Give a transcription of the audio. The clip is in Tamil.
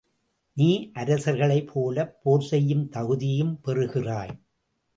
நீ அரசர்களைப் போலப் போர் செய்யும் தகுதியும் பெறுகிறாய்.